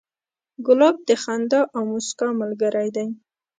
ګلاب د خندا او موسکا ملګری دی.